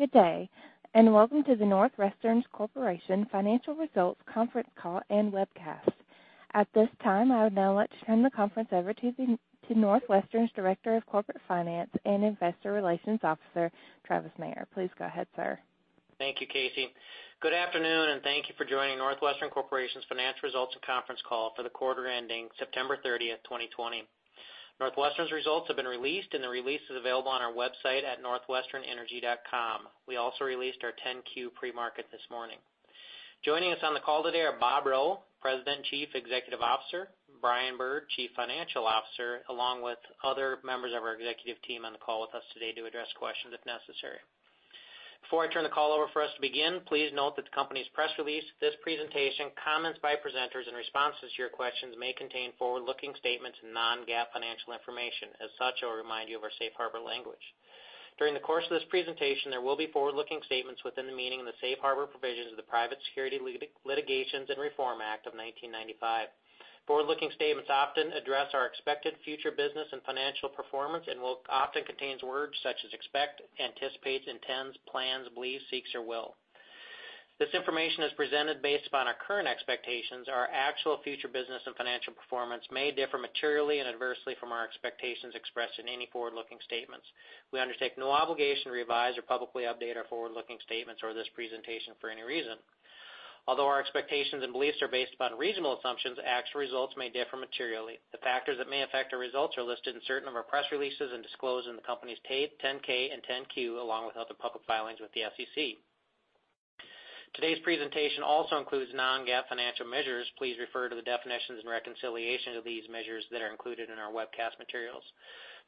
Good day, welcome to the NorthWestern Corporation Financial Results Conference Call and Webcast. At this time, I would now like to turn the conference over to NorthWestern's Director of Corporate Finance and Investor Relations Officer, Travis Meyer. Please go ahead, sir. Thank you, Casey. Good afternoon, and thank you for joining NorthWestern Corporation's financial results and conference call for the quarter ending September 30th, 2020. NorthWestern's results have been released, and the release is available on our website at northwesternenergy.com. We also released our 10-Q pre-market this morning. Joining us on the call today are Bob Rowe, President and Chief Executive Officer, Brian Bird, Chief Financial Officer, along with other members of our executive team on the call with us today to address questions if necessary. Before I turn the call over for us to begin, please note that the company's press release, this presentation, comments by presenters, and responses to your questions may contain forward-looking statements and non-GAAP financial information. As such, I will remind you of our safe harbor language. During the course of this presentation, there will be forward-looking statements within the meaning of the safe harbor provisions of the Private Securities Litigation Reform Act of 1995. Forward-looking statements often address our expected future business and financial performance and will often contain words such as expect, anticipate, intends, plans, believe, seeks, or will. This information is presented based upon our current expectations. Our actual future business and financial performance may differ materially and adversely from our expectations expressed in any forward-looking statements. We undertake no obligation to revise or publicly update our forward-looking statements or this presentation for any reason. Our expectations and beliefs are based upon reasonable assumptions, actual results may differ materially. The factors that may affect our results are listed in certain of our press releases and disclosed in the company's 10-K and 10-Q, along with other public filings with the SEC. Today's presentation also includes non-GAAP financial measures. Please refer to the definitions and reconciliation of these measures that are included in our webcast materials.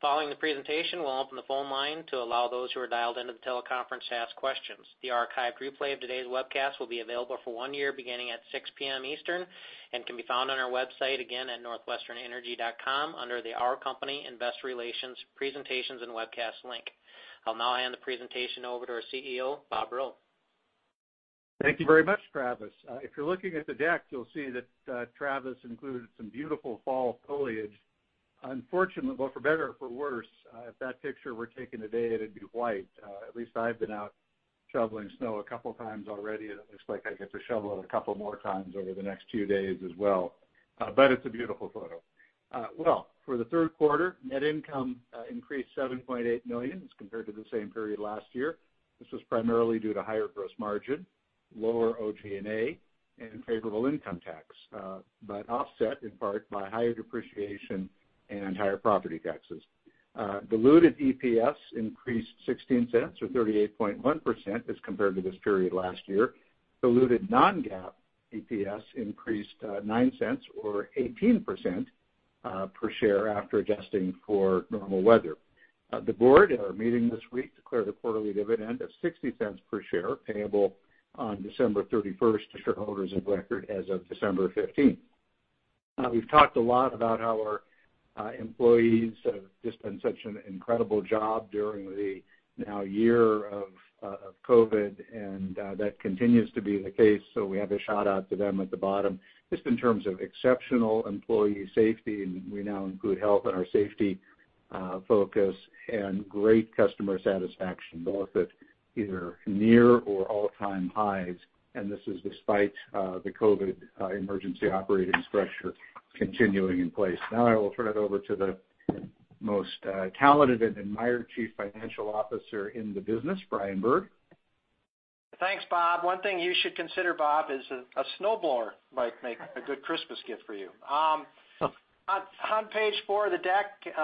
Following the presentation, we'll open the phone line to allow those who are dialed into the teleconference to ask questions. The archived replay of today's webcast will be available for one year, beginning at 6:00 P.M. Eastern and can be found on our website, again, at northwesternenergy.com under the Our Company, Investor Relations, Presentations, and Webcasts link. I'll now hand the presentation over to our CEO, Bob Rowe. Thank you very much, Travis. If you're looking at the deck, you'll see that Travis included some beautiful fall foliage. Unfortunately, well, for better or for worse, if that picture were taken today, it'd be white. At least I've been out shoveling snow a couple of times already, and it looks like I get to shovel it a couple more times over the next few days as well. It's a beautiful photo. Well, for the third quarter, net income increased $7.8 million as compared to the same period last year. This was primarily due to higher gross margin, lower OG&A, and favorable income tax. Offset in part by higher depreciation and higher property taxes. Diluted EPS increased $0.16 or 38.1% as compared to this period last year. Diluted non-GAAP EPS increased $0.09 or 18% per share after adjusting for normal weather. The board at our meeting this week declared a quarterly dividend of $0.60 per share, payable on December 31st to shareholders of record as of December 15th. We've talked a lot about how our employees have just done such an incredible job during the now year of COVID, and that continues to be the case, so we have a shout-out to them at the bottom, just in terms of exceptional employee safety, and we now include health in our safety focus, and great customer satisfaction, both at either near or all-time highs, and this is despite the COVID emergency operating structure continuing in place. Now I will turn it over to the most talented and admired Chief Financial Officer in the business, Brian Bird. Thanks, Bob. One thing you should consider, Bob, is a snowblower might make a good Christmas gift for you. On page four of the deck is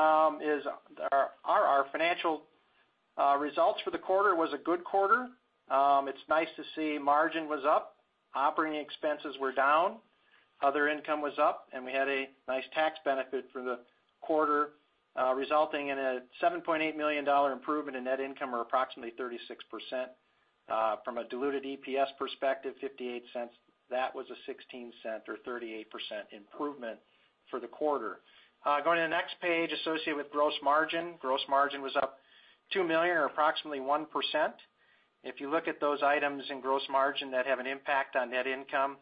our financial results for the quarter. It was a good quarter. It's nice to see margin was up, operating expenses were down, other income was up, and we had a nice tax benefit for the quarter, resulting in a $7.8 million improvement in net income or approximately 36%. From a diluted EPS perspective, $0.58. That was a $0.16 or 38% improvement for the quarter. Going to the next page associated with gross margin. Gross margin was up $2 million or approximately 1%. If you look at those items in gross margin that have an impact on net income,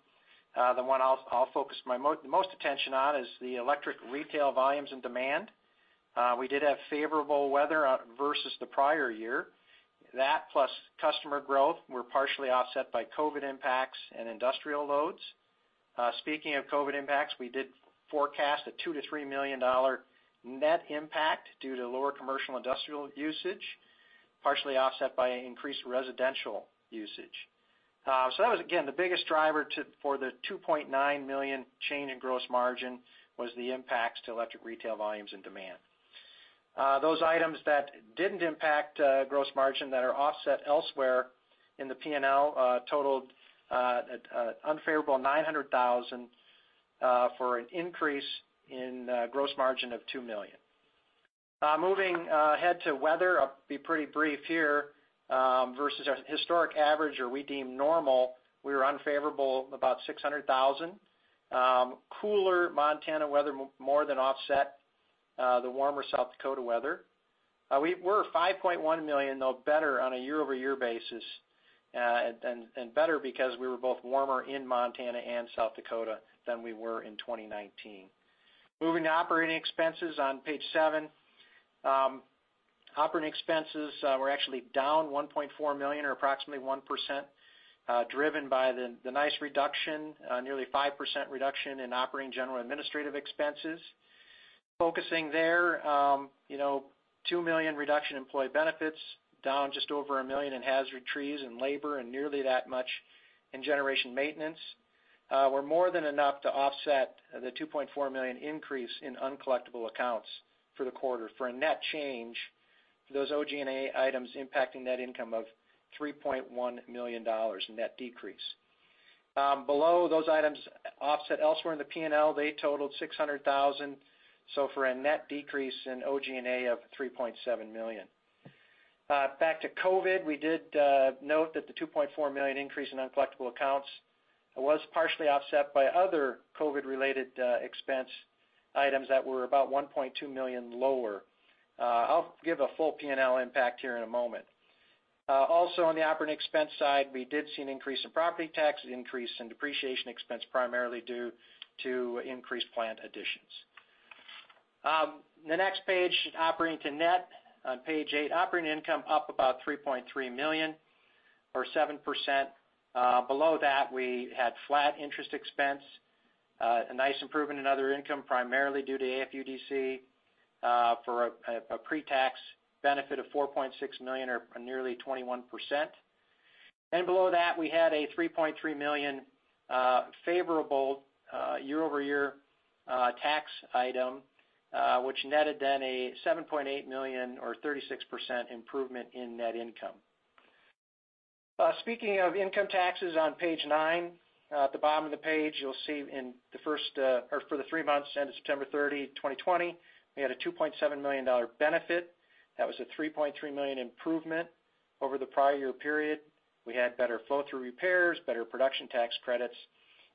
the one I'll focus the most attention on is the electric retail volumes and demand. We did have favorable weather versus the prior year. That plus customer growth were partially offset by COVID impacts and industrial loads. Speaking of COVID impacts, we did forecast a $2 million-$3 million net impact due to lower commercial industrial usage, partially offset by increased residential usage. That was, again, the biggest driver for the $2.9 million change in gross margin was the impacts to electric retail volumes and demand. Those items that didn't impact gross margin that are offset elsewhere in the P&L totaled an unfavorable $900,000 for an increase in gross margin of $2 million. Moving ahead to weather. I'll be pretty brief here. Versus our historic average or we deem normal, we were unfavorable about $600,000. Cooler Montana weather more than offset the warmer South Dakota weather. We were $5.1 million, though, better on a year-over-year basis, and better because we were both warmer in Montana and South Dakota than we were in 2019. Moving to operating expenses on page seven. Operating expenses were actually down $1.4 million or approximately 1%, driven by the nice reduction, nearly 5% reduction in Operating, General & Administrative expenses. Focusing there, $2 million reduction employee benefits, down just over $1 million in hazard trees and labor, and nearly that much in generation maintenance. Were more than enough to offset the $2.4 million increase in uncollectible accounts for the quarter for a net change for those OG&A items impacting net income of $3.1 million net decrease. Below those items, offset elsewhere in the P&L, they totaled $600,000. For a net decrease in OG&A of $3.7 million. Back to COVID, we did note that the $2.4 million increase in uncollectible accounts was partially offset by other COVID-related expense items that were about $1.2 million lower. I'll give a full P&L impact here in a moment. Also on the operating expense side, we did see an increase in property tax, an increase in depreciation expense, primarily due to increased plant additions. The next page, operating to net on page eight. Operating income up about $3.3 million or 7%. Below that, we had flat interest expense. A nice improvement in other income, primarily due to AFUDC, for a pretax benefit of $4.6 million or nearly 21%. Below that, we had a $3.3 million favorable year-over-year tax item, which netted then a $7.8 million or 36% improvement in net income. Speaking of income taxes on page nine. At the bottom of the page, you'll see for the three months ended September 30, 2020, we had a $2.7 million benefit. That was a $3.3 million improvement over the prior year period. We had better flow-through repairs, better production tax credits,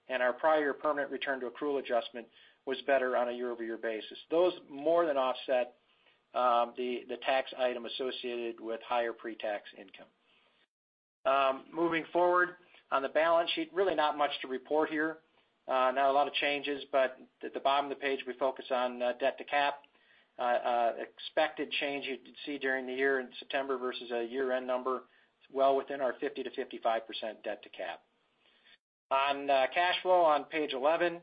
and our prior permanent return to accrual adjustment was better on a year-over-year basis. Those more than offset the tax item associated with higher pretax income. Moving forward on the balance sheet, really not much to report here. Not a lot of changes. At the bottom of the page, we focus on debt to cap. Expected change you'd see during the year in September versus a year-end number. It's well within our 50%-55% debt to cap. On cash flow on page 11,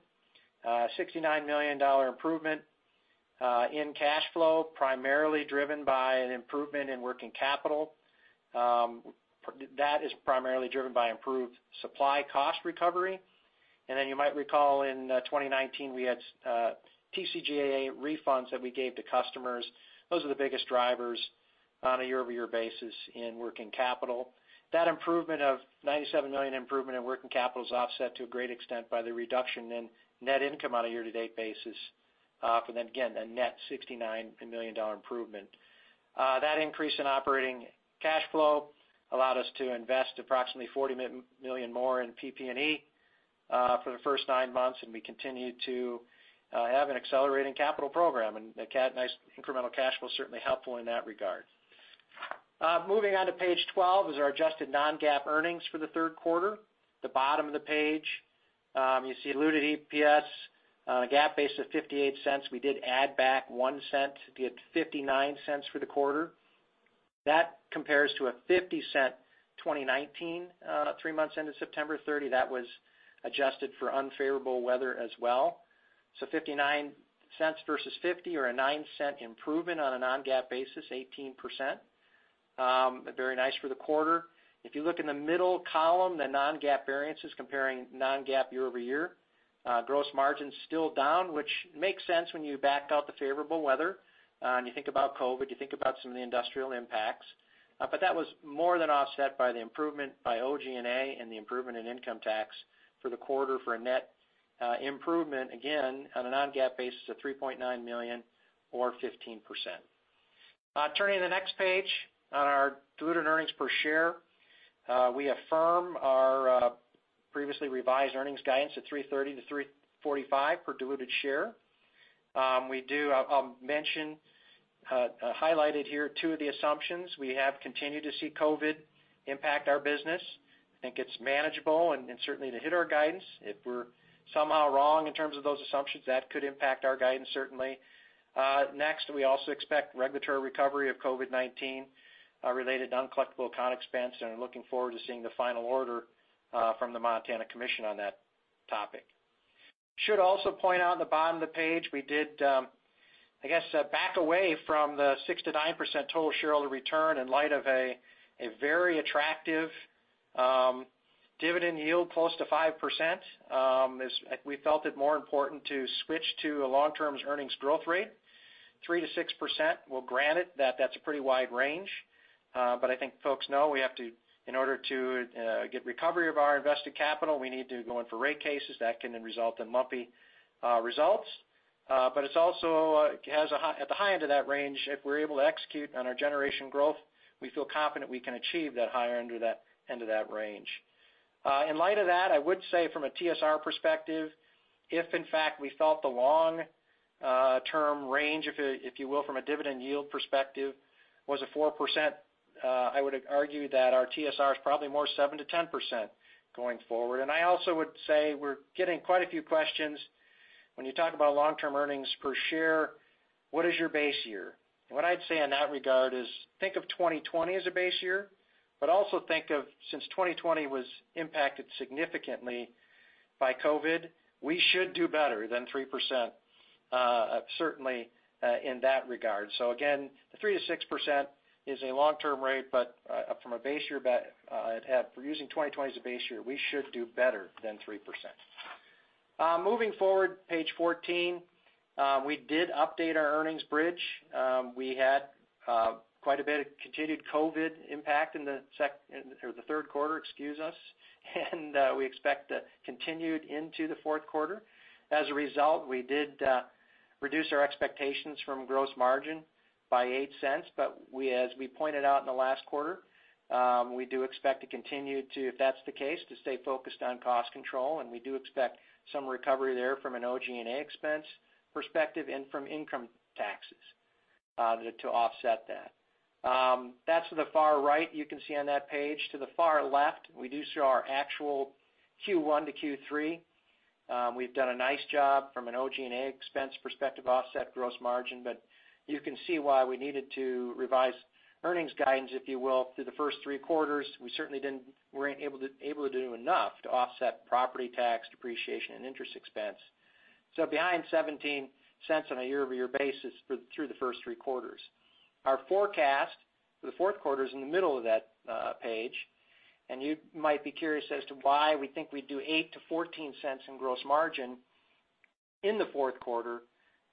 $69 million improvement in cash flow, primarily driven by an improvement in working capital. That is primarily driven by improved supply cost recovery. You might recall in 2019, we had TCJA refunds that we gave to customers. Those are the biggest drivers on a year-over-year basis in working capital. That improvement of $97 million improvement in working capital is offset to a great extent by the reduction in net income on a year-to-date basis. Then again, a net $69 million improvement. That increase in operating cash flow allowed us to invest approximately $40 million more in PP&E for the first nine months, and we continue to have an accelerating capital program, and that nice incremental cash flow is certainly helpful in that regard. Moving on to page 12 is our adjusted non-GAAP earnings for the third quarter. The bottom of the page. You see diluted EPS on a GAAP basis of $0.58. We did add back $0.01 to be at $0.59 for the quarter. That compares to a $0.50 2019, three months ended September 30. That was adjusted for unfavorable weather as well. $0.59 versus $0.50 or a $0.09 improvement on a non-GAAP basis, 18%. Very nice for the quarter. If you look in the middle column, the non-GAAP variances comparing non-GAAP year-over-year. Gross margin's still down, which makes sense when you back out the favorable weather, and you think about COVID, you think about some of the industrial impacts. That was more than offset by the improvement by OG&A and the improvement in income tax for the quarter for a net improvement, again, on a non-GAAP basis of $3.9 million or 15%. Turning to the next page on our diluted earnings per share. We affirm our previously revised earnings guidance at $3.30-$3.45 per diluted share. I'll mention, highlighted here, two of the assumptions. We have continued to see COVID impact our business. I think it's manageable and certainly to hit our guidance. If we're somehow wrong in terms of those assumptions, that could impact our guidance, certainly. Next, we also expect regulatory recovery of COVID-19 related uncollectible account expense, and I'm looking forward to seeing the final order from the Montana Commission on that topic. Should also point out in the bottom of the page, we did, I guess, back away from the 6%-9% total shareholder return in light of a very attractive dividend yield close to 5%. We felt it more important to switch to a long-term earnings growth rate. 3%-6% we'll grant it that that's a pretty wide range. I think folks know in order to get recovery of our invested capital, we need to go in for rate cases. That can then result in lumpy results. At the high end of that range, if we're able to execute on our generation growth, we feel confident we can achieve that higher end of that range. In light of that, I would say from a TSR perspective, if in fact we felt the long-term range, if you will, from a dividend yield perspective was a 4%. I would argue that our TSR is probably more 7%-10% going forward. I also would say we're getting quite a few questions. When you talk about long-term earnings per share, what is your base year? What I'd say in that regard is, think of 2020 as a base year, but also think of, since 2020 was impacted significantly by COVID, we should do better than 3%, certainly in that regard. Again, the 3%-6% is a long-term rate, but from a base year, if we're using 2020 as a base year, we should do better than 3%. Moving forward, page 14. We did update our earnings bridge. We had quite a bit of continued COVID impact in the third quarter, and we expect that continued into the fourth quarter. As a result, we did reduce our expectations from gross margin by $0.08. As we pointed out in the last quarter, we do expect to continue to stay focused on cost control. We do expect some recovery there from an OG&A expense perspective and from income taxes to offset that. That's to the far right, you can see on that page. To the far left, we do show our actual Q1 to Q3. We've done a nice job from an OG&A expense perspective, offset gross margin. You can see why we needed to revise earnings guidance, if you will. Through the first three quarters, we certainly weren't able to do enough to offset property tax, depreciation, and interest expense. Behind $0.17 on a year-over-year basis through the first three quarters. Our forecast for the fourth quarter is in the middle of that page. You might be curious as to why we think we'd do $0.08-$0.14 in gross margin in the fourth quarter.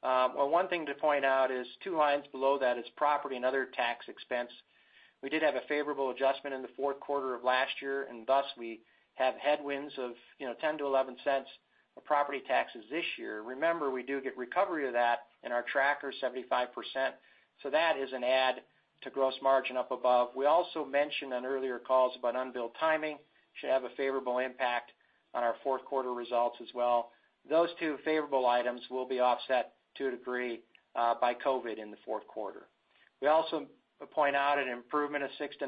Well, one thing to point out is two lines below that is property and other tax expense. We did have a favorable adjustment in the fourth quarter of last year. Thus, we have headwinds of $0.10-$0.11 on property taxes this year. Remember, we do get recovery of that in our tracker, 75%. That is an add to gross margin up above. We also mentioned on earlier calls about unbilled timing should have a favorable impact on our fourth quarter results as well. Those two favorable items will be offset to a degree by COVID in the fourth quarter. We also point out an improvement of $0.06-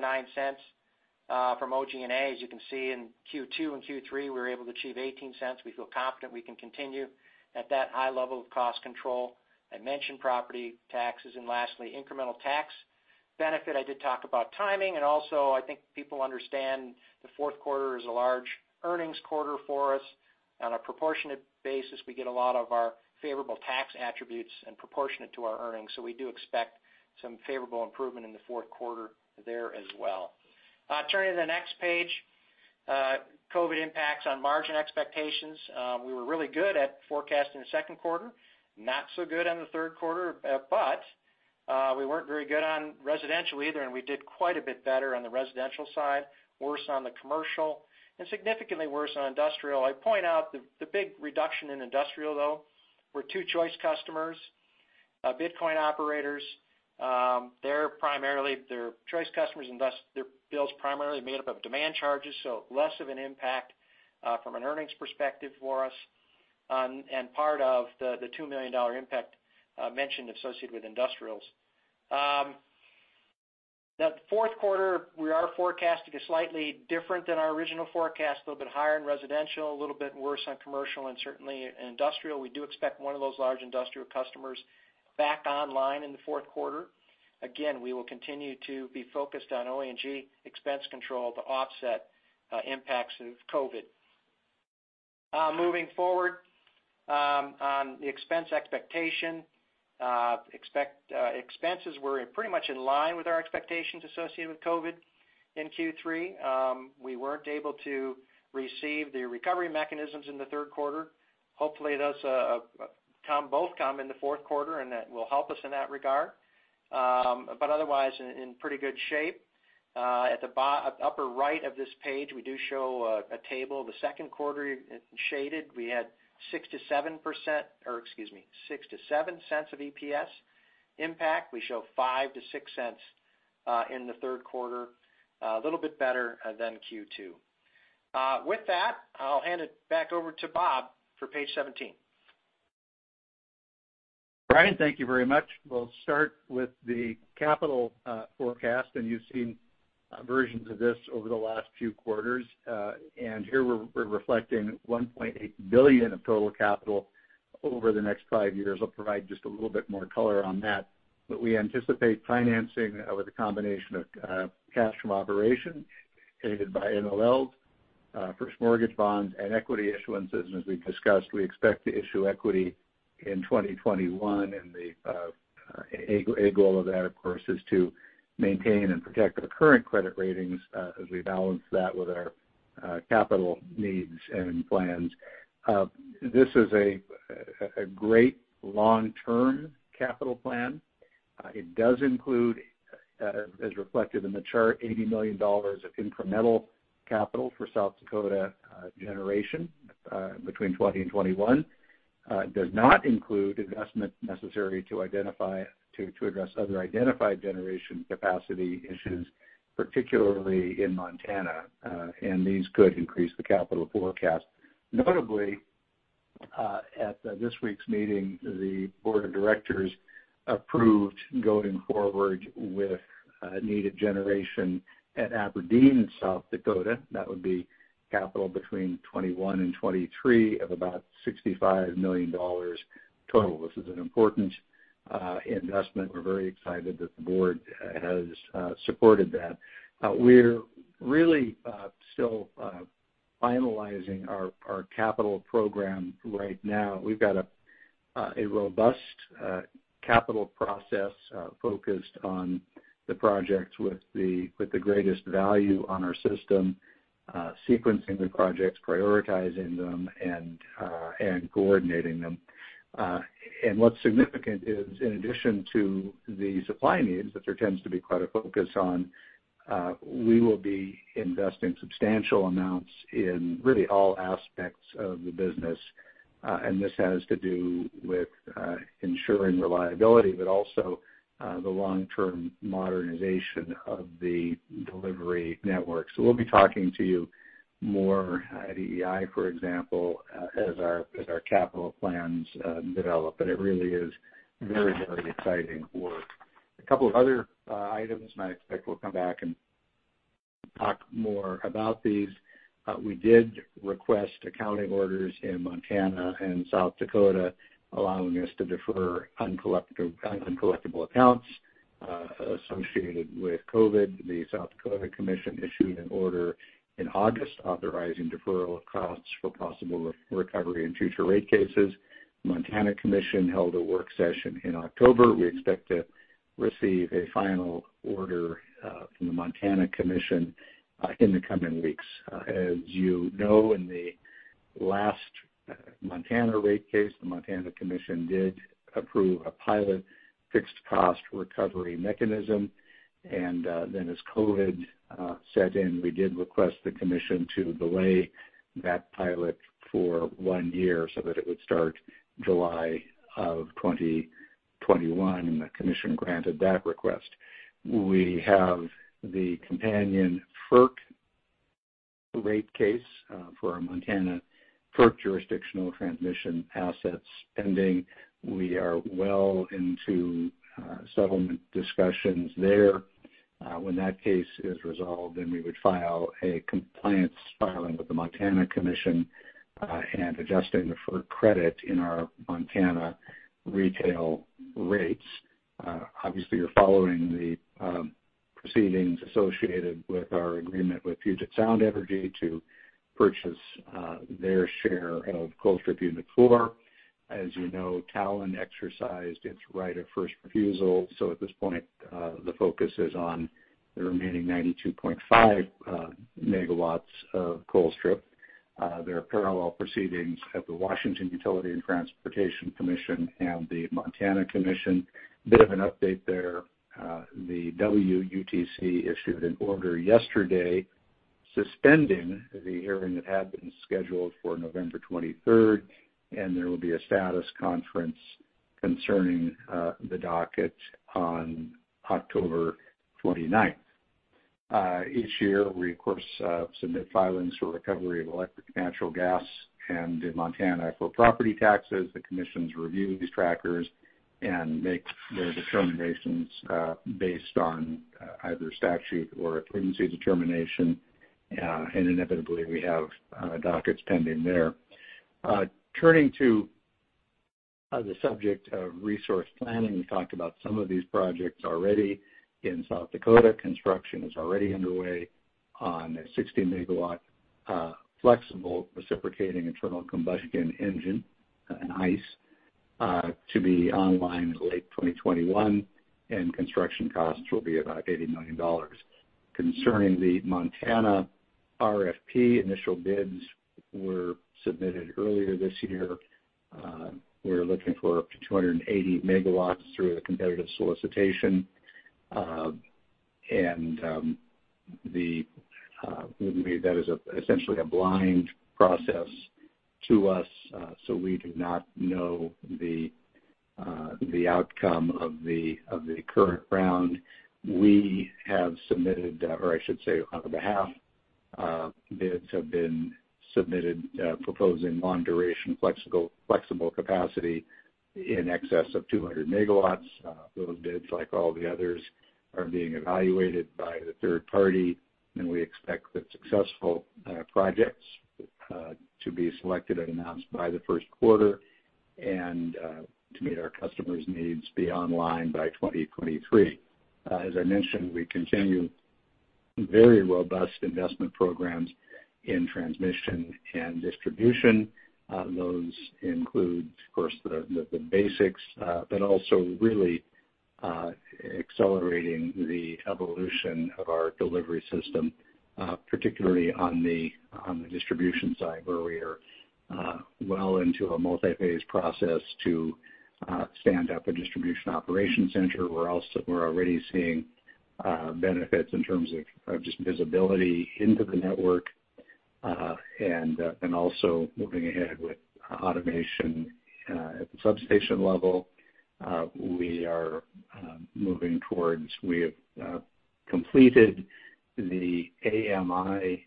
$0.09 from OG&A. As you can see in Q2 and Q3, we were able to achieve $0.18. We feel confident we can continue at that high level of cost control. I mentioned property taxes. Lastly, incremental tax benefit. I did talk about timing, and also I think people understand the fourth quarter is a large earnings quarter for us. On a proportionate basis, we get a lot of our favorable tax attributes and proportionate to our earnings. We do expect some favorable improvement in the fourth quarter there as well. Turning to the next page. COVID impacts on margin expectations. We were really good at forecasting the second quarter, not so good on the third quarter. We weren't very good on residential either, and we did quite a bit better on the residential side, worse on the commercial, and significantly worse on industrial. I point out the big reduction in industrial, though, were two choice customers, Bitcoin operators. They're choice customers, and thus, their bill's primarily made up of demand charges, so less of an impact from an earnings perspective for us and part of the $2 million impact mentioned associated with industrials. The fourth quarter, we are forecasting a slightly different than our original forecast. A little bit higher in residential, a little bit worse on commercial, and certainly in industrial. We do expect one of those large industrial customers back online in the fourth quarter. We will continue to be focused on OG&A expense control to offset impacts of COVID. Moving forward on the expense expectation. Expenses were pretty much in line with our expectations associated with COVID in Q3. We weren't able to receive the recovery mechanisms in the third quarter. Hopefully, those both come in the fourth quarter, and that will help us in that regard. Otherwise, in pretty good shape. At the upper right of this page, we do show a table. The second quarter shaded, we had $0.06-$0.07 of EPS impact. We show $0.05-$0.06 in the third quarter. A little bit better than Q2. With that, I'll hand it back over to Bob for page 17. Brian, thank you very much. We'll start with the capital forecast. You've seen versions of this over the last few quarters. Here we're reflecting $1.8 billion of total capital over the next five years. I'll provide just a little bit more color on that. We anticipate financing with a combination of cash from operation, aided by NOL, first mortgage bonds, and equity issuances. As we've discussed, we expect to issue equity in 2021. The end goal of that, of course, is to maintain and protect our current credit ratings as we balance that with our capital needs and plans. This is a great long-term capital plan. It does include, as reflected in the chart, $80 million of incremental capital for South Dakota generation between 2020 and 2021. It does not include investment necessary to address other identified generation capacity issues, particularly in Montana. These could increase the capital forecast. Notably, at this week's meeting, the board of directors approved going forward with needed generation at Aberdeen in South Dakota. That would be capital between 2021 and 2023 of about $65 million total. This is an important investment. We're very excited that the board has supported that. We're really still finalizing our capital program right now. We've got a robust capital process focused on the projects with the greatest value on our system, sequencing the projects, prioritizing them, and coordinating them. What's significant is, in addition to the supply needs that there tends to be quite a focus on, we will be investing substantial amounts in really all aspects of the business. This has to do with ensuring reliability, but also the long-term modernization of the delivery network. We'll be talking to you more at EEI, for example, as our capital plans develop, but it really is very exciting work. A couple of other items, and I expect we'll come back and talk more about these. We did request accounting orders in Montana and South Dakota, allowing us to defer uncollectable accounts associated with COVID. The South Dakota Commission issued an order in August authorizing deferral of costs for possible recovery in future rate cases. The Montana Commission held a work session in October. We expect to receive a final order from the Montana Commission in the coming weeks. As you know, in the last Montana rate case, the Montana Commission did approve a pilot fixed cost recovery mechanism. As COVID set in, we did request the Commission to delay that pilot for one year so that it would start July of 2021. The Commission granted that request. We have the companion FERC rate case for our Montana FERC jurisdictional transmission assets pending. We are well into settlement discussions there. When that case is resolved, we would file a compliance filing with the Montana Commission and adjust any deferred credit in our Montana retail rates. Obviously, you're following the proceedings associated with our agreement with Puget Sound Energy to purchase their share of Colstrip Unit 4. As you know, Talen exercised its right of first refusal, at this point, the focus is on the remaining 92.5 MW of Colstrip. There are parallel proceedings at the Washington Utilities and Transportation Commission and the Montana Commission. Bit of an update there. The WUTC issued an order yesterday suspending the hearing that had been scheduled for November 23rd. There will be a status conference concerning the docket on October 29th. Each year, we of course, submit filings for recovery of electric, natural gas, and in Montana, for property taxes. The commissions review these trackers and make their determinations based on either statute or a prudency determination. Inevitably, we have dockets pending there. Turning to the subject of resource planning, we talked about some of these projects already. In South Dakota, construction is already underway on a 60 MW flexible reciprocating internal combustion engine, an ICE, to be online in late 2021. Construction costs will be about $80 million. Concerning the Montana RFP, initial bids were submitted earlier this year. We're looking for up to 280 MW through a competitive solicitation. That is essentially a blind process to us, so we do not know the outcome of the current round. We have submitted, or I should say, on our behalf, bids have been submitted proposing long-duration flexible capacity in excess of 200 MW Those bids, like all the others, are being evaluated by the third party, and we expect the successful projects to be selected and announced by the first quarter and to meet our customers' needs be online by 2023. As I mentioned, we continue very robust investment programs in transmission and distribution. Those include, of course, the basics, but also really accelerating the evolution of our delivery system, particularly on the distribution side, where we are well into a multi-phase process to stand up a distribution operation center, where also we're already seeing benefits in terms of just visibility into the network, and also moving ahead with automation. At the substation level, we are moving towards, we have completed the AMI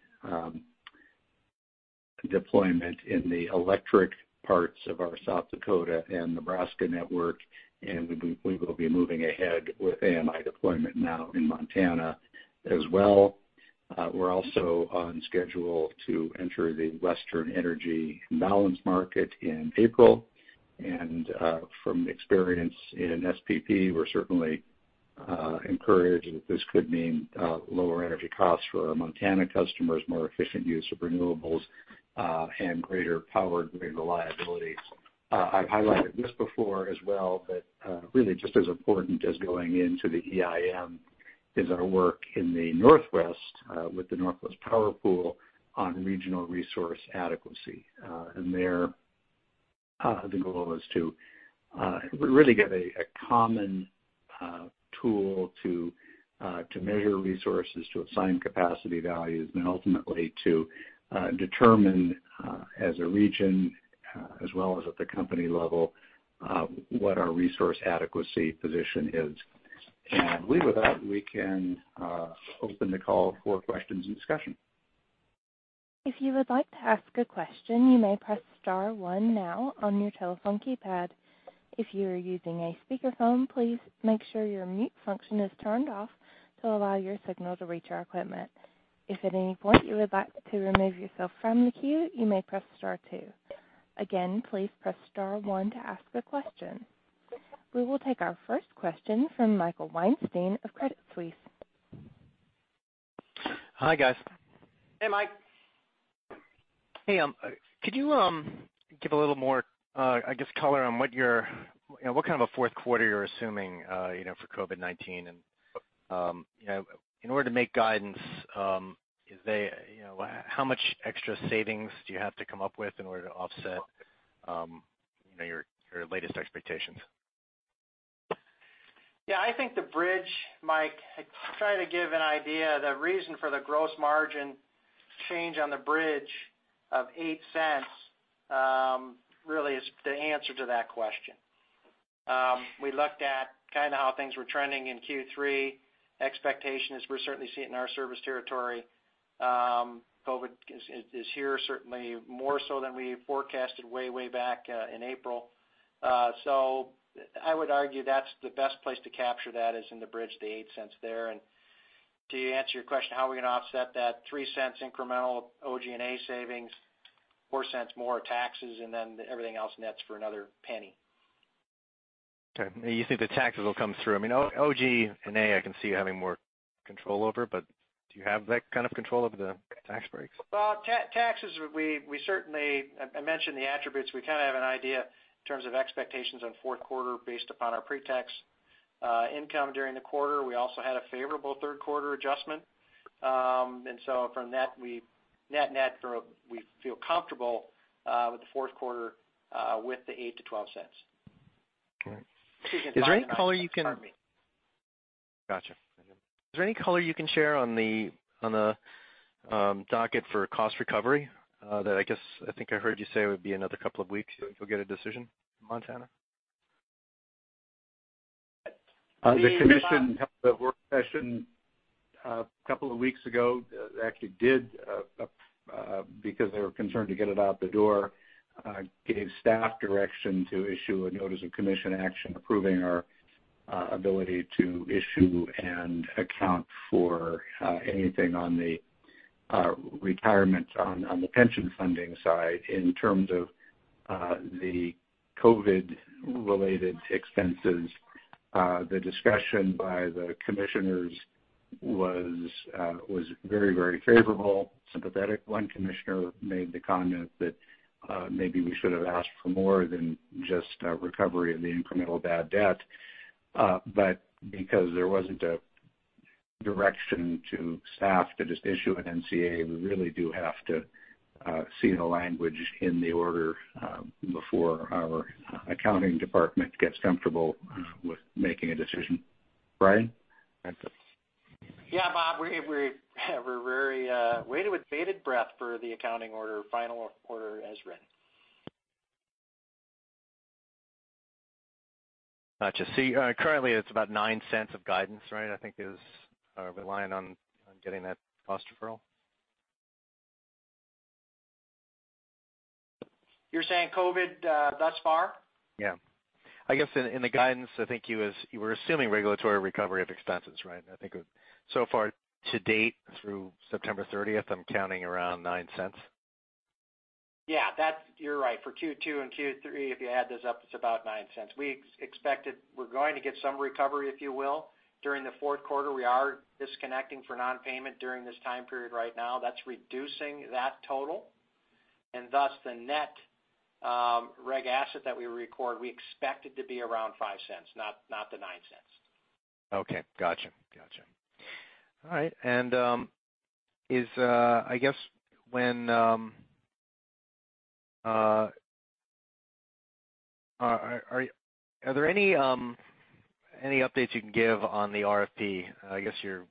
deployment in the electric parts of our South Dakota and Nebraska network, and we will be moving ahead with AMI deployment now in Montana as well. We're also on schedule to enter the Western Energy Imbalance Market in April. From experience in an SPP, we're certainly encouraged that this could mean lower energy costs for our Montana customers, more efficient use of renewables, and greater power grid reliability. I've highlighted this before as well, really just as important as going into the EIM is our work in the Northwest, with the Northwest Power Pool on regional resource adequacy. There, the goal is to really get a common tool to measure resources, to assign capacity values, and ultimately to determine, as a region as well as at the company level, what our resource adequacy position is. With that, we can open the call for questions and discussion. If you would like to ask a question you may press star one now on your telephone keypad. If you are using a speakerphone please make sure your mute function is turned off to allow your signal to reach our equipment. If you [inaudible] from the queue you may press star two. Again please press star and one to ask a question. We will take our first question from Michael Weinstein of Credit Suisse. Hi, guys. Hey, Mike. Hey, could you give a little more color on what kind of a fourth quarter you're assuming for COVID-19 and in order to make guidance, how much extra savings do you have to come up with in order to offset your latest expectations? I think the bridge, Mike, I try to give an idea. The reason for the gross margin change on the bridge of $0.08 really is the answer to that question. We looked at kind of how things were trending in Q3. Expectation is we're certainly seeing it in our service territory. COVID is here certainly more so than we forecasted way back in April. I would argue that's the best place to capture that is in the bridge to $0.08 there. To answer your question, how are we going to offset that $0.03 incremental OG&A savings, $0.04 more taxes, and then everything else nets for another $0.01. Okay. You think the taxes will come through? I mean, OG&A I can see you having more control over, but do you have that kind of control over the tax breaks? Well, taxes, I mentioned the attributes. We kind of have an idea in terms of expectations on fourth quarter based upon our pre-tax income during the quarter. We also had a favorable third quarter adjustment. From net, we feel comfortable with the fourth quarter with the $0.08-$0.12. Okay. Pardon me. Got you. Is there any color you can share on the docket for cost recovery? That I guess I think I heard you say it would be another couple of weeks if you'll get a decision in Montana. The Commission held a work session a couple of weeks ago. They actually did, because they were concerned to get it out the door, gave staff direction to issue a notice of Commission action approving our ability to issue and account for anything on the retirement on the pension funding side in terms of the COVID-related expenses. The discussion by the Commissioners was very favorable, sympathetic. One Commissioner made the comment that maybe we should have asked for more than just a recovery of the incremental bad debt. Because there wasn't a direction to staff to just issue an NCA, we really do have to see the language in the order before our accounting department gets comfortable with making a decision. Brian? Bob, we're very waiting with bated breath for the accounting order, final order as written. Got you. See, currently it's about $0.09 of guidance, right? I think it is relying on getting that cost approval. You're saying COVID thus far? Yeah. I guess in the guidance, I think you were assuming regulatory recovery of expenses, right? I think so far to date through September 30th, I'm counting around $0.09. Yeah, you're right. For Q2 and Q3, if you add those up, it's about $0.09. We expected we're going to get some recovery, if you will, during the fourth quarter. We are disconnecting for non-payment during this time period right now. That's reducing that total. Thus the net reg asset that we record, we expect it to be around $0.05, not the $0.09. Okay, got you. All right. I guess, are there any updates you can give on the RFP? I guess you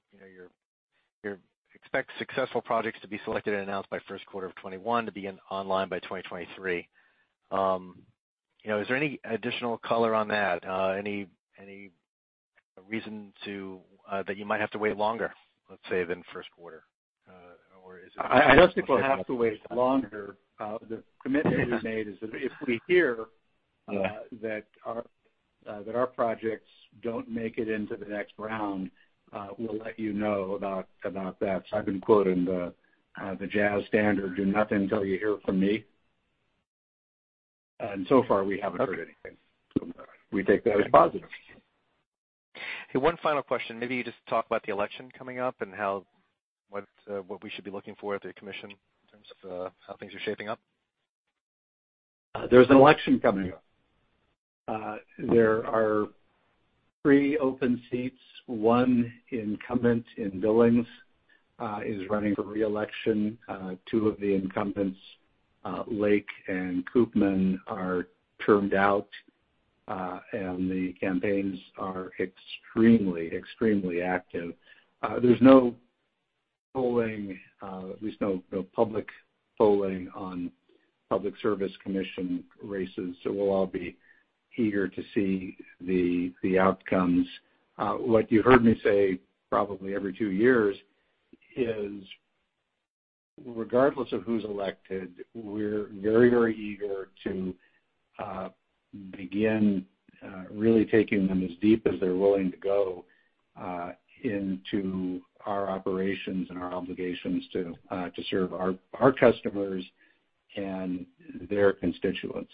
expect successful projects to be selected and announced by first quarter of 2021 to begin online by 2023. Is there any additional color on that? Any reason that you might have to wait longer, let's say, than first quarter? I don't think we'll have to wait longer. The commitment we made is that if we hear that our projects don't make it into the next round, we'll let you know about that. I've been quoting the jazz standard, "Do nothing till you hear from me." So far, we haven't heard anything. We take that as positive. Okay. One final question. Maybe you just talk about the election coming up and what we should be looking for at the commission in terms of how things are shaping up. There's an election coming up. There are three open seats, one incumbent in Billings is running for re-election. Two of the incumbents, Lake and Koopman, are termed out. The campaigns are extremely active. There's no polling, at least no public polling on public service commission races, we'll all be eager to see the outcomes. What you heard me say probably every two years is, regardless of who's elected, we're very eager to begin really taking them as deep as they're willing to go into our operations and our obligations to serve our customers and their constituents.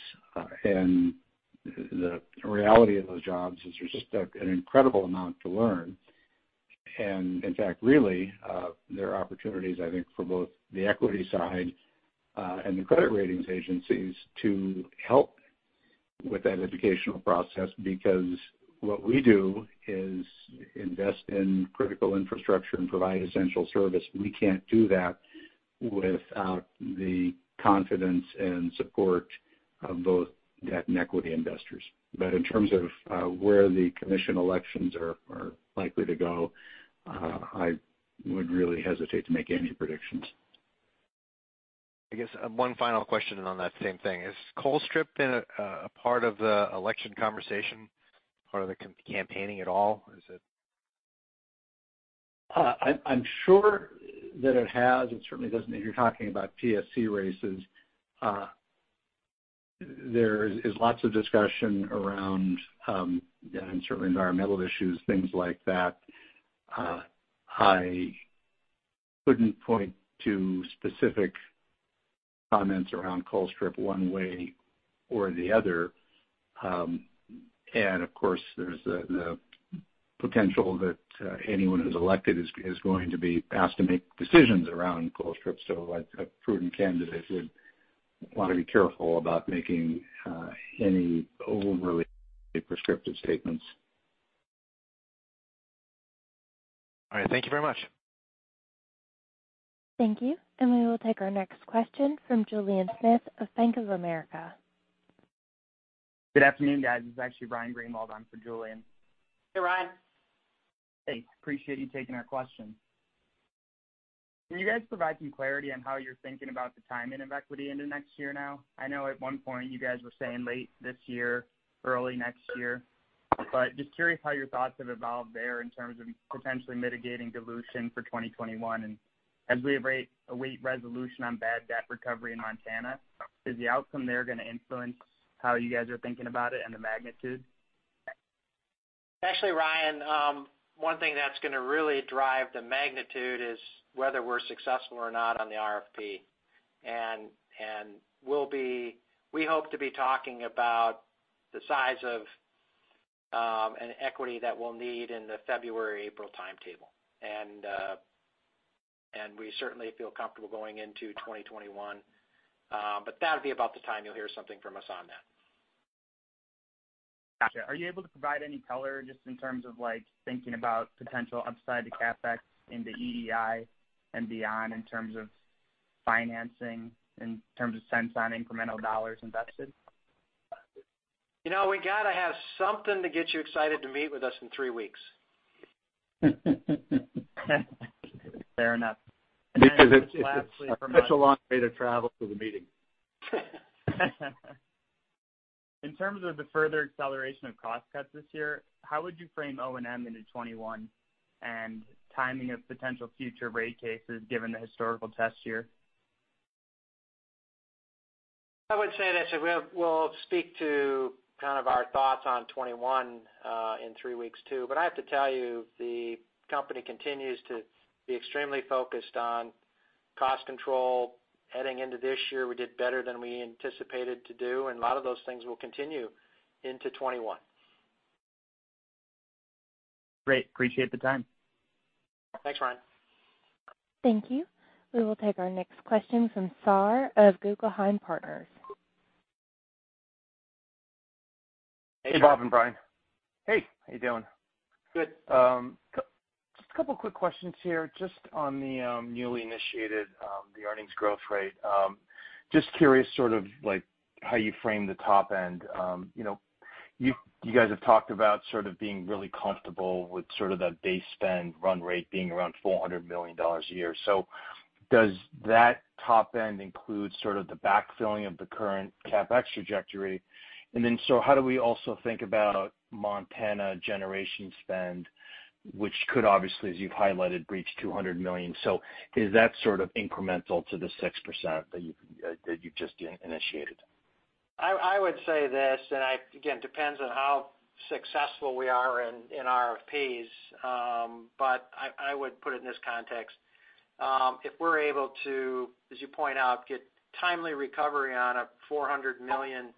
The reality of those jobs is there's just an incredible amount to learn. In fact, really, there are opportunities, I think, for both the equity side and the credit ratings agencies to help with that educational process because what we do is invest in critical infrastructure and provide essential service. We can't do that without the confidence and support of both debt and equity investors. In terms of where the Commission elections are likely to go, I would really hesitate to make any predictions. I guess one final question on that same thing. Has Colstrip been a part of the election conversation, part of the campaigning at all? I'm sure that it has. If you're talking about PSC races, there is lots of discussion around and certainly environmental issues, things like that. I couldn't point to specific comments around Colstrip one way or the other. Of course, there's the potential that anyone who's elected is going to be asked to make decisions around Colstrip. A prudent candidate would want to be careful about making any overly prescriptive statements. All right. Thank you very much. Thank you. We will take our next question from Julien Smith of Bank of America. Good afternoon, guys. This is actually Ryan Greenwald on for Julien. Hey, Ryan. Hey, appreciate you taking our question. Can you guys provide some clarity on how you're thinking about the timing of equity into next year now? I know at one point you guys were saying late this year, early next year. Just curious how your thoughts have evolved there in terms of potentially mitigating dilution for 2021 and as we await resolution on bad debt recovery in Montana. Is the outcome there going to influence how you guys are thinking about it and the magnitude? Actually, Ryan, one thing that's going to really drive the magnitude is whether we're successful or not on the RFP. We hope to be talking about the size of an equity that we'll need in the February-April timetable. We certainly feel comfortable going into 2021. That'll be about the time you'll hear something from us on that. Gotcha. Are you able to provide any color just in terms of thinking about potential upside to CapEx into EEI and beyond in terms of financing, in terms of sense on incremental dollars invested? We got to have something to get you excited to meet with us in three weeks. Fair enough. Just lastly from me. Because it's such a long way to travel to the meeting. In terms of the further acceleration of cost cuts this year, how would you frame O&M into 2021 and timing of potential future rate cases given the historical test year? I would say that we'll speak to kind of our thoughts on 2021 in three weeks too, but I have to tell you, the company continues to be extremely focused on cost control. Heading into this year, we did better than we anticipated to do, and a lot of those things will continue into 2021. Great. Appreciate the time. Thanks, Ryan. Thank you. We will take our next question from Shar Pourreza of Guggenheim Partners. Hey, Brian. Hey. How you doing? Good. A couple quick questions here just on the newly initiated, the earnings growth rate. Just curious how you frame the top end. You guys have talked about being really comfortable with the base spend run rate being around $400 million a year. Does that top end include the backfilling of the current CapEx trajectory? How do we also think about Montana generation spend, which could obviously, as you've highlighted, breach $200 million? Is that incremental to the 6% that you just initiated? I would say this, and again, depends on how successful we are in RFPs, but I would put it in this context. If we're able to, as you point out, get timely recovery on a $400 million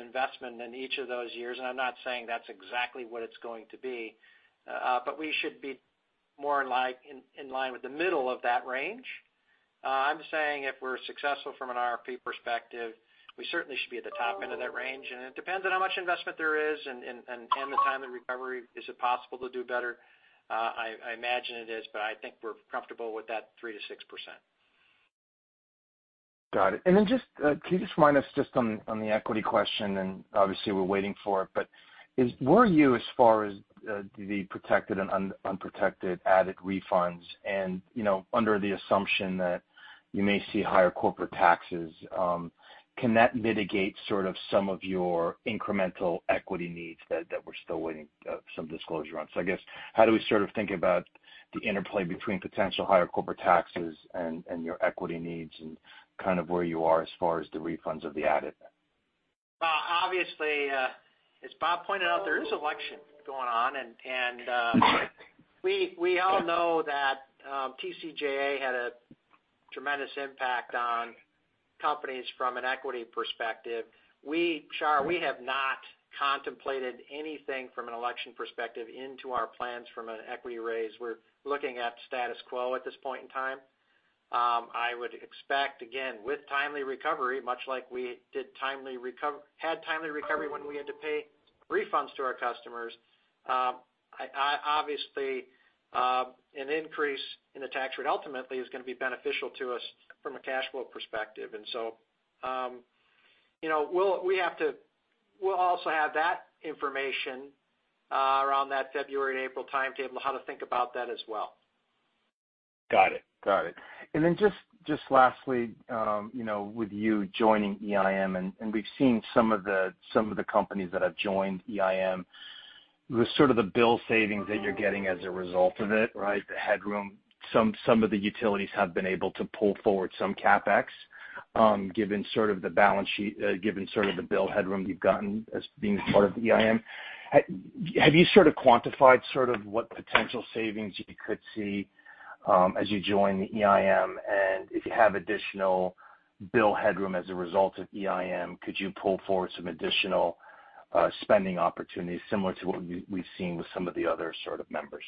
investment in each of those years, and I'm not saying that's exactly what it's going to be, but we should be more in line with the middle of that range. I'm saying if we're successful from an RFP perspective, we certainly should be at the top end of that range. It depends on how much investment there is and the time of recovery. Is it possible to do better? I imagine it is, but I think we're comfortable with that 3%-6%. Got it. Can you just remind us just on the equity question, and obviously we're waiting for it, but where are you as far as the protected and unprotected ADIT refunds? Under the assumption that you may see higher corporate taxes, can that mitigate some of your incremental equity needs that we're still waiting some disclosure on? I guess, how do we think about the interplay between potential higher corporate taxes and your equity needs and kind of where you are as far as the refunds of the ADIT? Obviously, as Bob pointed out, there is election going on. We all know that TCJA had a tremendous impact on companies from an equity perspective. Shar, we have not contemplated anything from an election perspective into our plans from an equity raise. We're looking at status quo at this point in time. I would expect, again, with timely recovery, much like we had timely recovery when we had to pay refunds to our customers. Obviously, an increase in the tax rate ultimately is going to be beneficial to us from a cash flow perspective. We'll also have that information around that February and April timetable, how to think about that as well. Got it. Just lastly, with you joining EIM, we've seen some of the companies that have joined EIM, the sort of the bill savings that you're getting as a result of it, the headroom. Some of the utilities have been able to pull forward some CapEx, given the bill headroom you've gotten as being part of EIM. Have you quantified what potential savings you could see as you join the EIM? If you have additional bill headroom as a result of EIM, could you pull forward some additional spending opportunities similar to what we've seen with some of the other sort of members?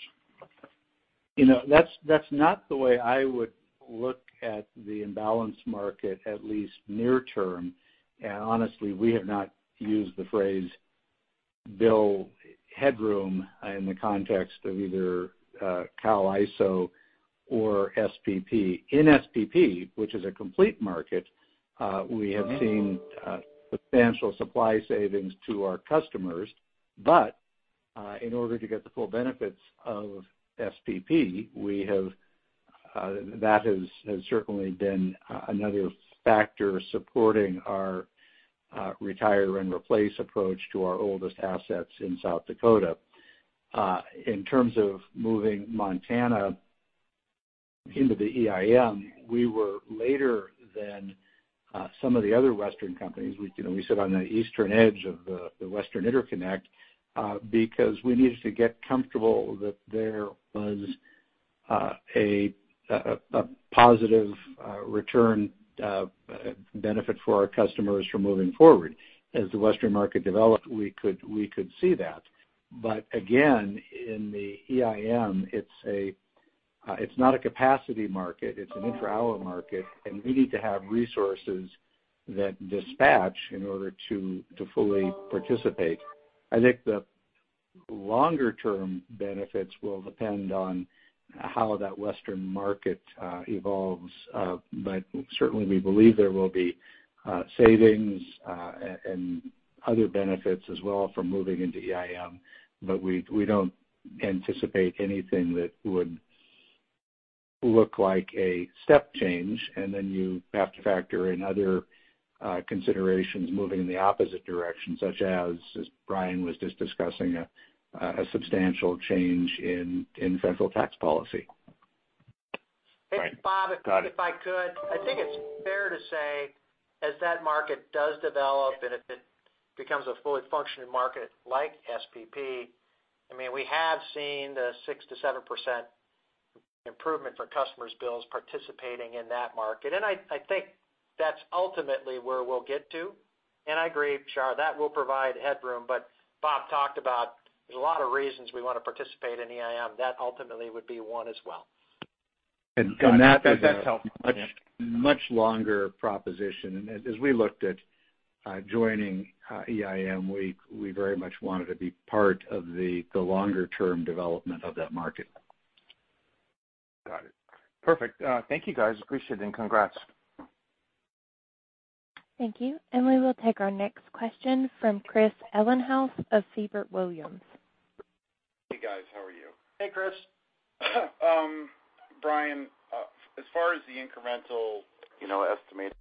That's not the way I would look at the imbalance market, at least near term. Honestly, we have not used the phrase bill headroom in the context of either CAISO or SPP. In SPP, which is a complete market, we have seen substantial supply savings to our customers. In order to get the full benefits of SPP, that has certainly been another factor supporting our retire and replace approach to our oldest assets in South Dakota. In terms of moving Montana into the EIM, we were later than some of the other Western companies. We sit on the eastern edge of the Western Interconnection because we needed to get comfortable that there was a positive return benefit for our customers from moving forward. As the Western market developed, we could see that. Again, in the EIM, it's not a capacity market, it's an intra-hour market, and we need to have resources that dispatch in order to fully participate. I think the longer-term benefits will depend on how that Western market evolves. Certainly, we believe there will be savings and other benefits as well from moving into EIM. We don't anticipate anything that would look like a step change. Then you have to factor in other considerations moving in the opposite direction, such as Brian was just discussing, a substantial change in federal tax policy. Right. Got it. Bob, if I could. I think it's fair to say as that market does develop and if it becomes a fully functioning market like SPP, we have seen the 6%-7% improvement for customers' bills participating in that market. I think that's ultimately where we'll get to. I agree, Shar, that will provide headroom. Bob talked about there's a lot of reasons we want to participate in EIM. That ultimately would be one as well. That is a much longer proposition. As we looked at joining EIM, we very much wanted to be part of the longer-term development of that market. Got it. Perfect. Thank you, guys. Appreciate it. Congrats. Thank you. We will take our next question from Chris Ellinghaus of Siebert Williams Shank. Hey, guys. How are you? Hey, Chris. Brian, as far as the incremental estimated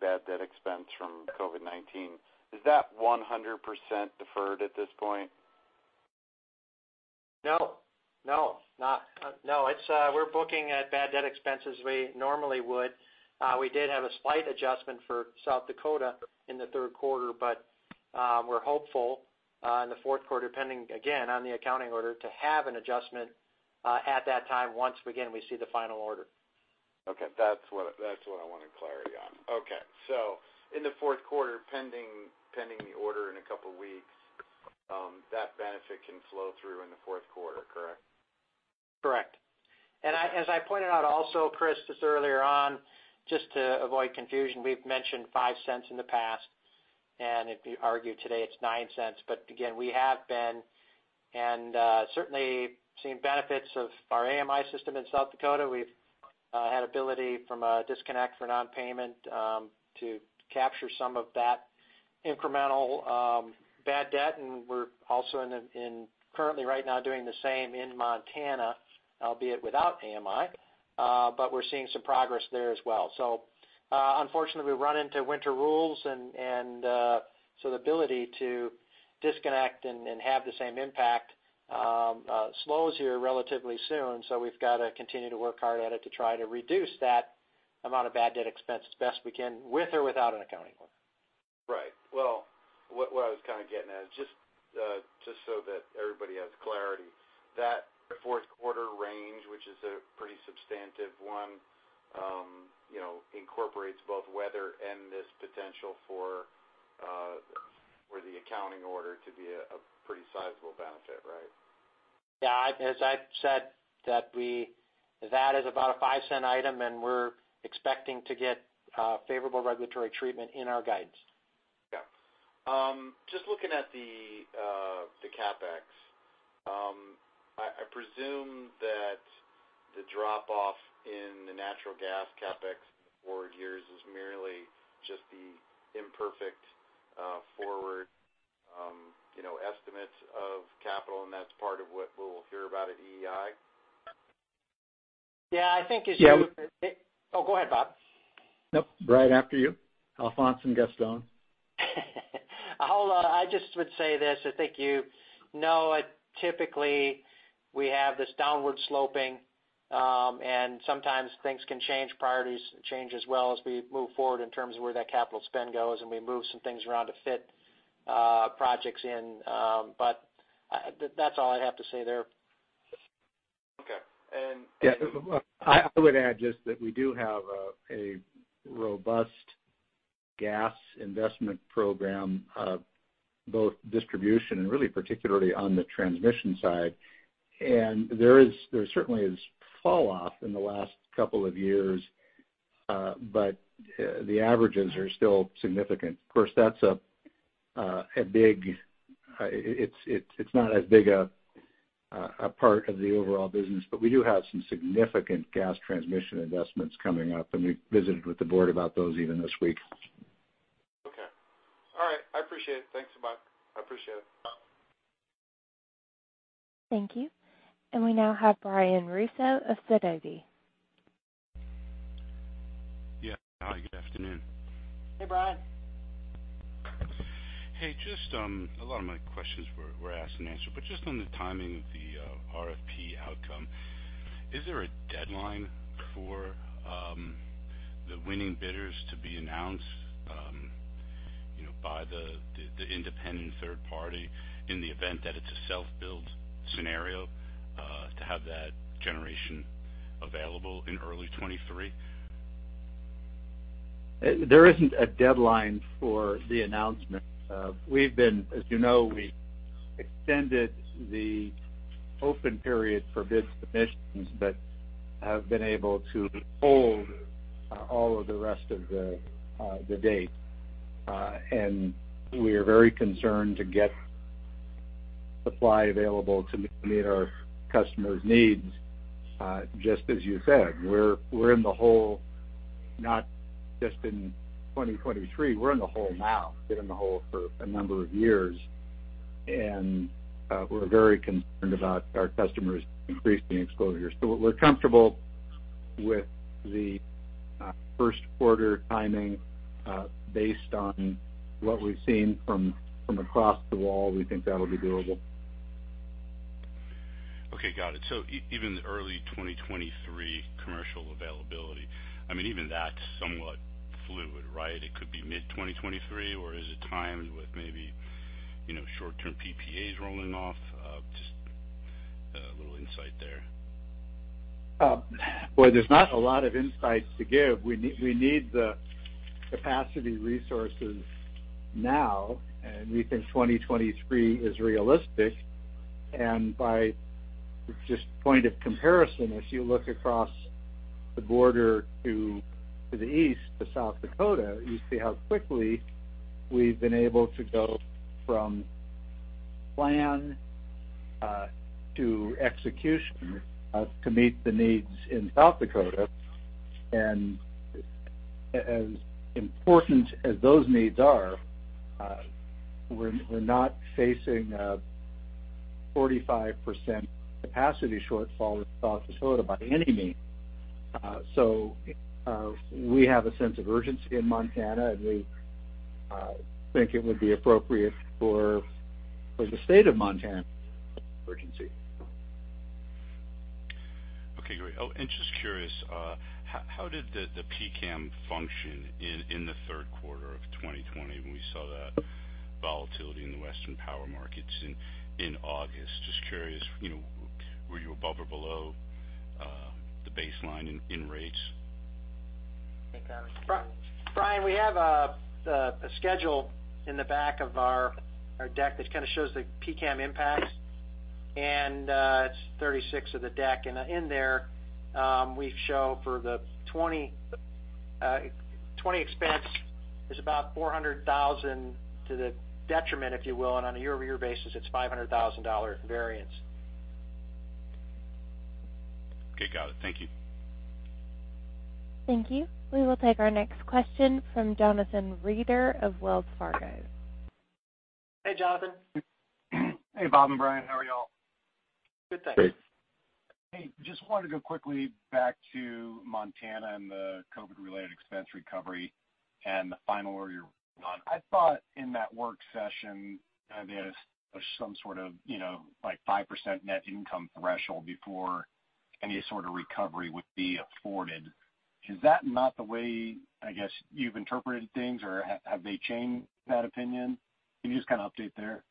bad debt expense from COVID-19, is that 100% deferred at this point? No. We're booking bad debt expense as we normally would. We did have a slight adjustment for South Dakota in the third quarter, but we're hopeful in the fourth quarter, pending, again, on the accounting order, to have an adjustment at that time once, again, we see the final order. Okay. That's what I wanted clarity on. Okay. In the fourth quarter, pending the order in a couple of weeks, that benefit can flow through in the fourth quarter, correct? Correct. As I pointed out also, Chris, just earlier on, just to avoid confusion, we've mentioned $0.05 in the past, and if you argue today, it's $0.09. Again, we have been and certainly seen benefits of our AMI system in South Dakota. We've had ability from a disconnect for non-payment to capture some of that incremental bad debt, and we're also currently right now doing the same in Montana, albeit without AMI. We're seeing some progress there as well. Unfortunately, we run into winter rules, and so the ability to disconnect and have the same impact slows here relatively soon. We've got to continue to work hard at it to try to reduce that amount of bad debt expense as best we can with or without an accounting order. Right. Well, what I was kind of getting at, just so that everybody has clarity, that fourth quarter range, which is a pretty substantive one, incorporates both weather and this potential for the accounting order to be a pretty sizable benefit, right? Yeah. As I've said, that is about a $0.05 item, and we're expecting to get favorable regulatory treatment in our guidance. Yeah. Just looking at the CapEx. I presume that the drop-off in the natural gas CapEx forward years is merely just the imperfect forward estimates of capital, and that's part of what we'll hear about at EEI? Yeah, I think as. Yeah- Oh, go ahead, Bob. Nope. Right after you, Alphonse and Gaston. I just would say this, I think you know it, typically, we have this downward sloping, and sometimes things can change, priorities change as well as we move forward in terms of where that capital spend goes, and we move some things around to fit projects in. That's all I'd have to say there. Okay. Yeah. Look, I would add just that we do have a robust gas investment program, both distribution and really particularly on the transmission side. There certainly is fall off in the last couple of years. The averages are still significant. Of course, it's not as big a part of the overall business, but we do have some significant gas transmission investments coming up, and we visited with the board about those even this week. Okay. All right. I appreciate it. Thanks a bunch. I appreciate it. Bye. Thank you. We now have Brian Russo of Sidoti. Yeah. Hi, good afternoon. Hey, Brian. A lot of my questions were asked and answered on the timing of the RFP outcome. Is there a deadline for the winning bidders to be announced by the independent third party in the event that it's a self-build scenario to have that generation available in early 2023? There isn't a deadline for the announcement. As you know, we extended the open period for bid submissions but have been able to hold all of the rest of the date. We are very concerned to get supply available to meet our customers' needs. Just as you said, we're in the hole not just in 2023. We're in the hole now, been in the hole for a number of years, and we're very concerned about our customers increasing exposure. We're comfortable with the first quarter timing. Based on what we've seen from across the wall, we think that'll be doable. Okay, got it. Even the early 2023 commercial availability, even that's somewhat fluid, right? It could be mid-2023, or is it timed with maybe short-term PPAs rolling off? Just a little insight there. Well, there's not a lot of insights to give. We need the capacity resources now, we think 2023 is realistic. By just point of comparison, if you look across the border to the east, to South Dakota, you see how quickly we've been able to go from plan to execution to meet the needs in South Dakota. As important as those needs are, we're not facing a 45% capacity shortfall in South Dakota by any means. We have a sense of urgency in Montana, and we think it would be appropriate for the state of Montana. Okay, great. Just curious, how did the PCAM function in the third quarter of 2020 when we saw that volatility in the Western power markets in August? Just curious, were you above or below the baseline in rates? Brian, we have a schedule in the back of our deck that kind of shows the PCAM impacts, and it's 36 of the deck. In there, we show for the 2020 expense is about $400,000 to the detriment, if you will, and on a year-over-year basis, it's a $500,000 variance. Okay, got it. Thank you. Thank you. We will take our next question from Jonathan Reeder of Wells Fargo. Hey, Jonathan. Hey, Bob and Brian. How are you all? Good, thanks. Great. Hey, just wanted to go quickly back to Montana and the COVID-related expense recovery and the final order you're on. I thought in that work session, there's some sort of 5% net income threshold before any sort of recovery would be afforded. Is that not the way, I guess, you've interpreted things, or have they changed that opinion? Can you just kind of update there?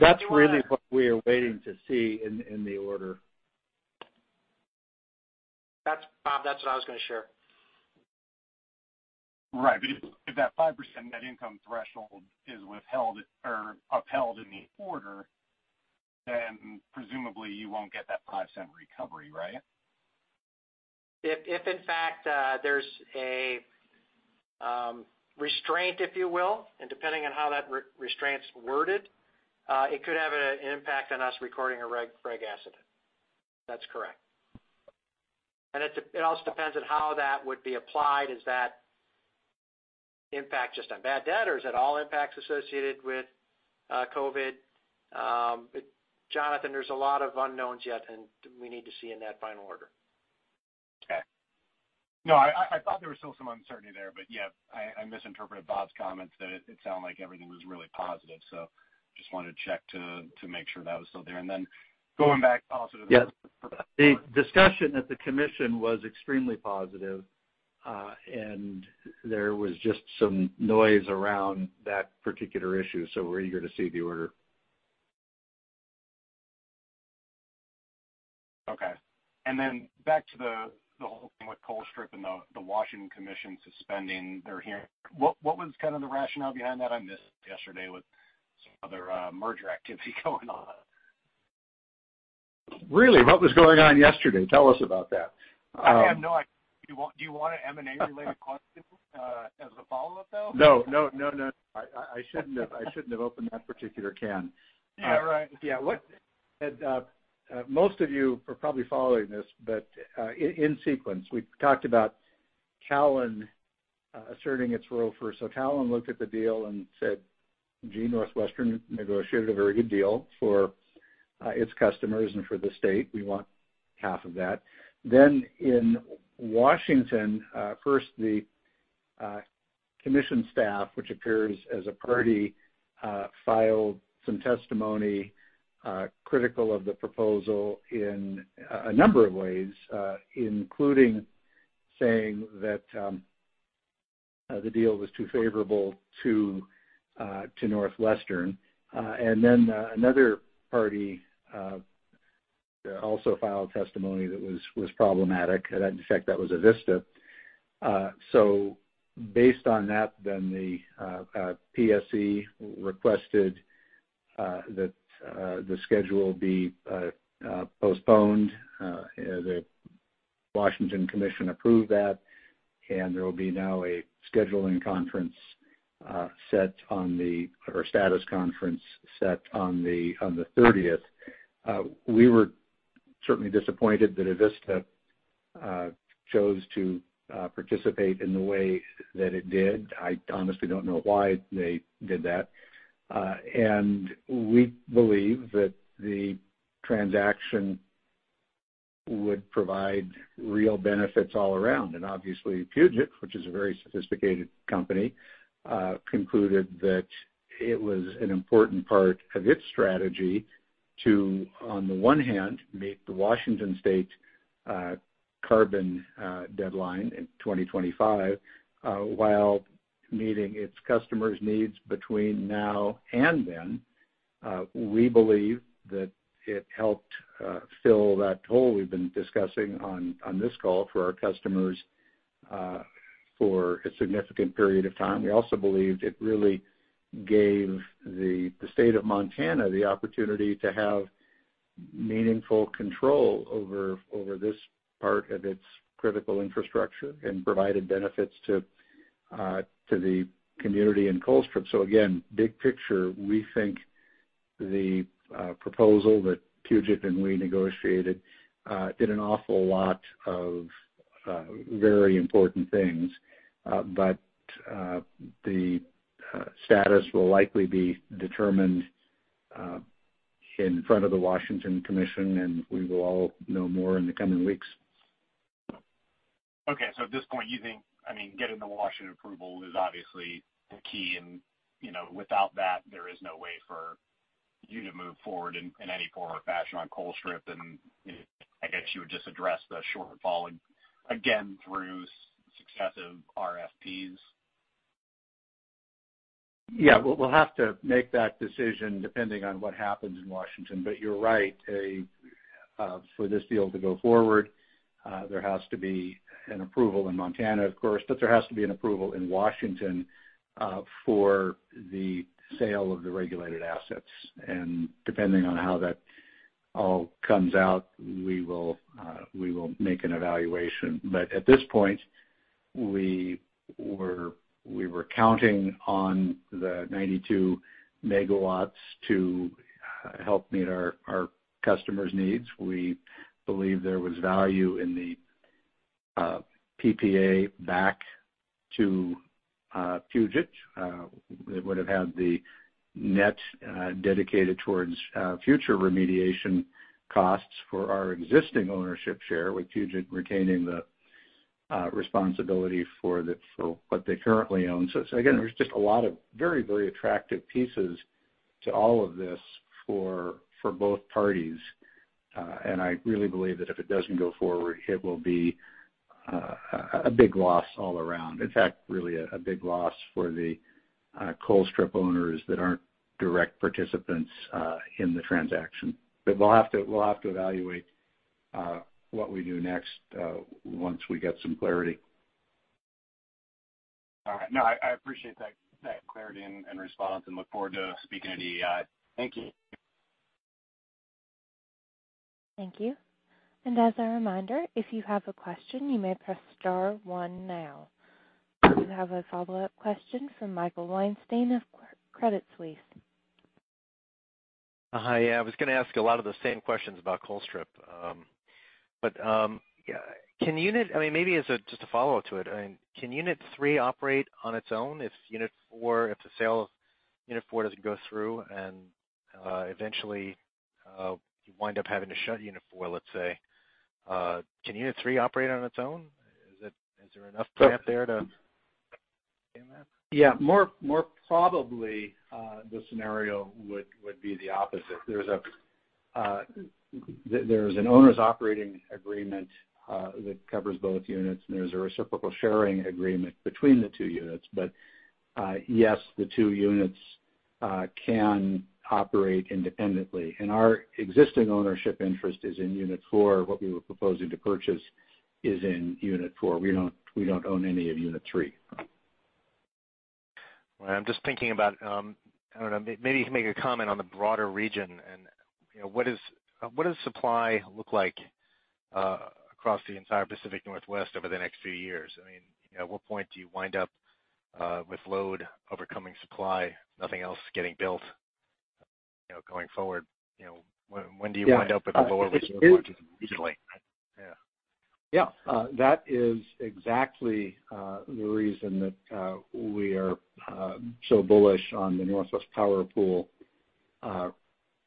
That's really what we are waiting to see in the order. Bob, that's what I was going to share. Right. If that 5% net income threshold is withheld or upheld in the order, then presumably you won't get that 5% recovery, right? If in fact there's a restraint, if you will, and depending on how that restraint's worded, it could have an impact on us recording a reg asset. That's correct. It also depends on how that would be applied. Is that impact just on bad debt, or is it all impacts associated with COVID? Jonathan, there's a lot of unknowns yet, and we need to see in that final order. Okay. No, I thought there was still some uncertainty there. I misinterpreted Bob's comments that it sounded like everything was really positive. Just wanted to check to make sure that was still there. Yes. The discussion at the Commission was extremely positive. There was just some noise around that particular issue, so we're eager to see the order. Okay. Back to the whole thing with Colstrip and the Washington Commission suspending their hearing. What was kind of the rationale behind that? I missed yesterday with some other merger activity going on. Really, what was going on yesterday? Tell us about that. I have no idea. Do you want an M&A-related question as a follow-up, though? No. I shouldn't have opened that particular can. Yeah, right. Most of you are probably following this. In sequence, we've talked about Talen asserting its role first. Talen looked at the deal and said, "Gee, NorthWestern negotiated a very good deal for its customers and for the state. We want half of that." In Washington, first the commission staff, which appears as a party, filed some testimony critical of the proposal in a number of ways including saying that the deal was too favorable to NorthWestern. Another party also filed testimony that was problematic. In fact, that was Avista. Based on that, the PSE requested that the schedule be postponed. The Washington Commission approved that, there will be now a scheduling conference set or a status conference set on the 30th. We were certainly disappointed that Avista chose to participate in the way that it did. I honestly don't know why they did that. We believe that the transaction would provide real benefits all around. Obviously Puget, which is a very sophisticated company, concluded that it was an important part of its strategy to, on the one hand, meet the Washington State carbon deadline in 2025, while meeting its customers' needs between now and then. We believe that it helped fill that hole we've been discussing on this call for our customers for a significant period of time. We also believed it really gave the state of Montana the opportunity to have meaningful control over this part of its critical infrastructure and provided benefits to the community in Colstrip. Again, big picture, we think the proposal that Puget and we negotiated did an awful lot of very important things, but the status will likely be determined in front of the Washington Commission, and we will all know more in the coming weeks. At this point, you think getting the Washington approval is obviously the key, and without that, there is no way for you to move forward in any form or fashion on Colstrip? I guess you would just address the shortfall again through successive RFPs? Yeah. We'll have to make that decision depending on what happens in Washington. You're right. For this deal to go forward, there has to be an approval in Montana, of course, but there has to be an approval in Washington for the sale of the regulated assets. Depending on how that all comes out, we will make an evaluation. At this point, we were counting on the 92 MW to help meet our customers' needs. We believe there was value in the PPA back to Puget. It would've had the net dedicated towards future remediation costs for our existing ownership share, with Puget retaining the responsibility for what they currently own. Again, there's just a lot of very attractive pieces to all of this for both parties. I really believe that if it doesn't go forward, it will be a big loss all around. In fact, really a big loss for the Colstrip owners that aren't direct participants in the transaction. We'll have to evaluate what we do next once we get some clarity. All right. No, I appreciate that clarity and response and look forward to speaking to EEI. Thank you. Thank you. As a reminder, if you have a question, you may press star one now. We have a follow-up question from Michael Weinstein of Credit Suisse. Hi. Yeah, I was going to ask a lot of the same questions about Colstrip. Maybe as just a follow-up to it, can unit three operate on its own if the sale of unit four doesn't go through and eventually you wind up having to shut unit four, let's say? Can unit three operate on its own? Is there enough plant there to do that? Yeah. More probably, the scenario would be the opposite. There's an owner's operating agreement that covers both units, and there's a reciprocal sharing agreement between the two units. Yes, the two units can operate independently. Our existing ownership interest is in unit four. What we were proposing to purchase is in unit four. We don't own any of unit three. Well, I'm just thinking about, I don't know, maybe you can make a comment on the broader region and what does supply look like across the entire Pacific Northwest over the next few years? At what point do you wind up with load overcoming supply, nothing else getting built going forward? When do you wind up with a lower reserve going into the future? Yeah. Yeah. That is exactly the reason that we are so bullish on the Northwest Power Pool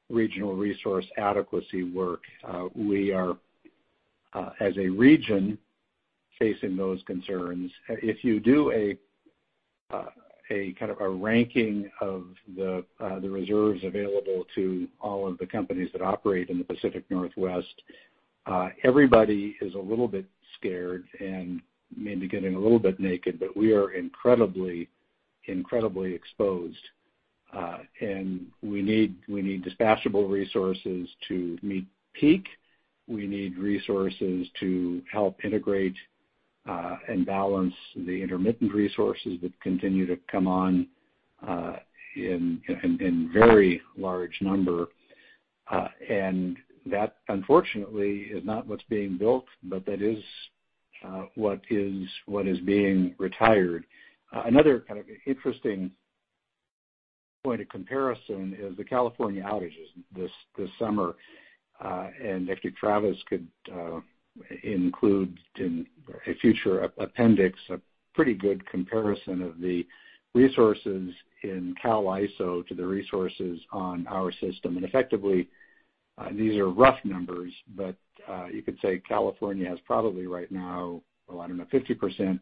regional resource adequacy work. We are as a region facing those concerns. If you do a kind of a ranking of the reserves available to all of the companies that operate in the Pacific Northwest, everybody is a little bit scared and maybe getting a little bit naked, but we are incredibly exposed. We need dispatchable resources to meet peak. We need resources to help integrate and balance the intermittent resources that continue to come on in very large number. That, unfortunately, is not what's being built, but that is what is being retired. Another kind of interesting point of comparison is the California outages this summer. If Travis could include in a future appendix a pretty good comparison of the resources in CAISO to the resources on our system. Effectively, these are rough numbers, but you could say California has probably right now, well, I don't know, 50%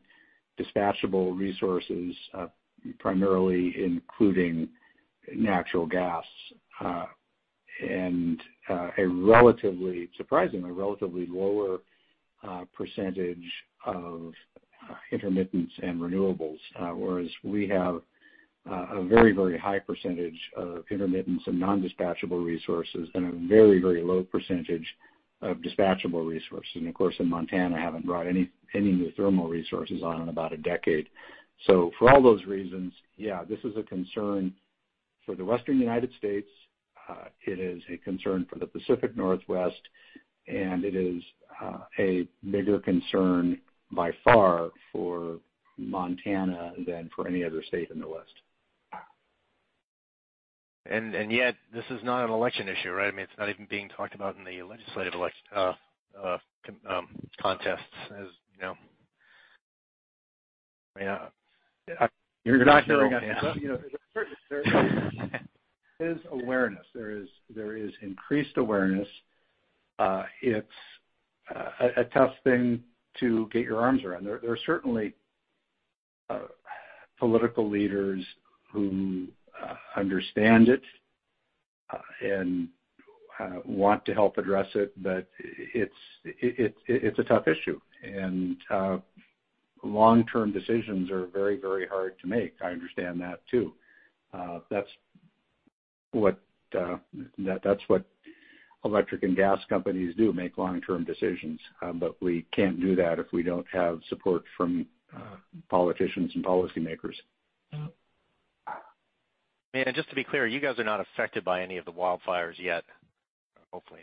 dispatchable resources, primarily including natural gas, and surprisingly, a relatively lower percentage of intermittents and renewables. Whereas we have a very high percentage of intermittents and non-dispatchable resources and a very low percentage of dispatchable resources. Of course, in Montana, haven't brought any new thermal resources on in about a decade. For all those reasons, yeah, this is a concern. For the Western United States, it is a concern for the Pacific Northwest, and it is a bigger concern by far for Montana than for any other state in the West. Yet this is not an election issue, right? It's not even being talked about in the legislative contests. You're not hearing that? There is awareness. There is increased awareness. It's a tough thing to get your arms around. There are certainly political leaders who understand it and want to help address it. It's a tough issue, and long-term decisions are very hard to make. I understand that, too. That's what electric and gas companies do, make long-term decisions. We can't do that if we don't have support from politicians and policymakers. Yeah. Just to be clear, you guys are not affected by any of the wildfires yet. Hopefully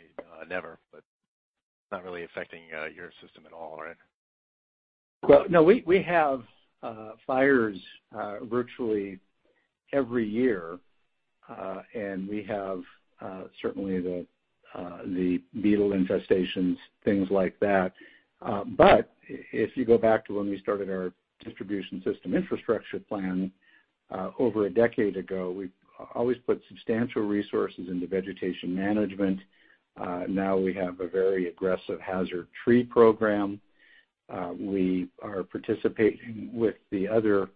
never, but it's not really affecting your system at all, right? Well, no, we have fires virtually every year. We have certainly the beetle infestations, things like that. If you go back to when we started our distribution system infrastructure plan over a decade ago, we've always put substantial resources into vegetation management. We have a very aggressive hazard tree program. We are participating with the other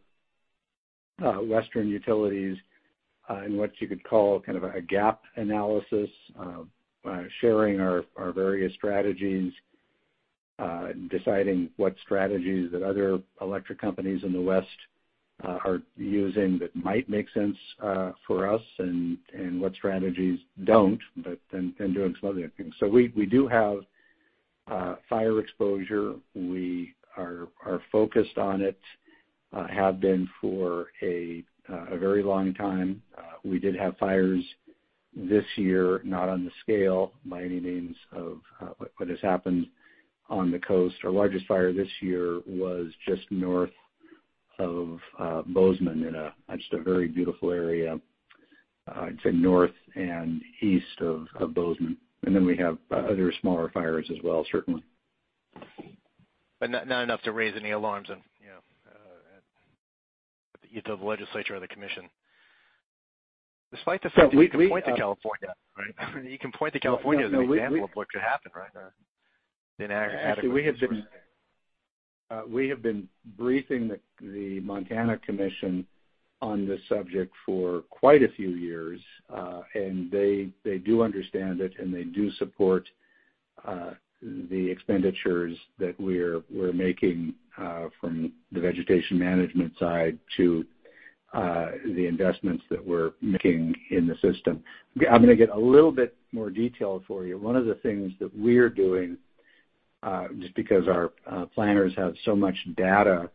Western utilities in what you could call a gap analysis. Sharing our various strategies, deciding what strategies that other electric companies in the West are using that might make sense for us and what strategies don't, doing some other things. We do have fire exposure. We are focused on it, have been for a very long time. We did have fires this year, not on the scale by any means of what has happened on the coast. Our largest fire this year was just north of Bozeman in just a very beautiful area. I'd say north and east of Bozeman. We have other smaller fires as well, certainly. Not enough to raise any alarms at the legislature or the commission. Despite this, you can point to California, right? You can point to California as an example of what could happen, right? Actually, we have been briefing the Montana Commission on this subject for quite a few years. They do understand it, and they do support the expenditures that we're making from the vegetation management side to the investments that we're making in the system. I'm going to get a little bit more detailed for you. One of the things that we're doing, just because our planners have so much data,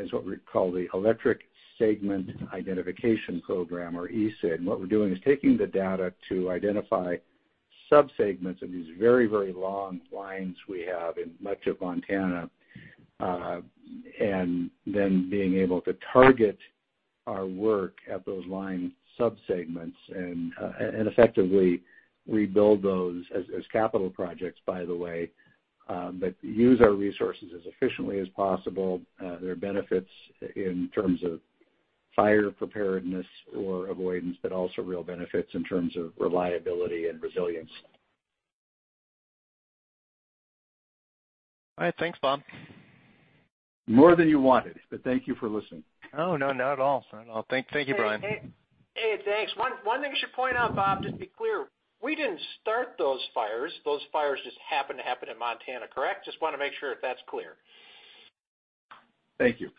is what we call the Electric Segment Identification program, or ESID. What we're doing is taking the data to identify subsegments of these very long lines we have in much of Montana, and then being able to target our work at those line subsegments and effectively rebuild those as capital projects, by the way, but use our resources as efficiently as possible. There are benefits in terms of fire preparedness or avoidance, but also real benefits in terms of reliability and resilience. All right. Thanks, Bob. More than you wanted, thank you for listening. Oh, no. Not at all. Thank you, Brian. Hey, thanks. One thing you should point out, Bob, just to be clear, we didn't start those fires. Those fires just happened to happen in Montana, correct? Just want to make sure that's clear. Thank you.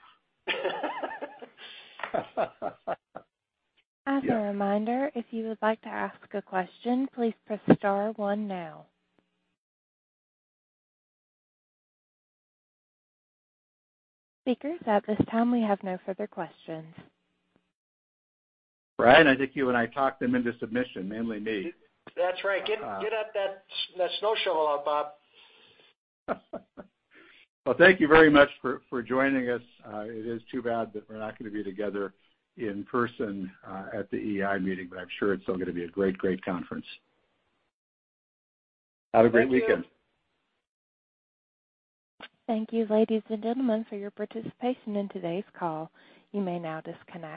As a reminder, if you would like to ask a question, please press star one now. Speakers, at this time, we have no further questions. Brian, I think you and I talked them into submission, mainly me. That's right. Get that snow shovel out, Bob. Well, thank you very much for joining us. It is too bad that we're not going to be together in person at the EEI meeting, but I'm sure it's still going to be a great conference. Have a great weekend. Thank you. Thank you, ladies and gentlemen, for your participation in today's call. You may now disconnect.